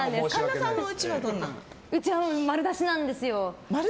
うちは丸出しなんですよ。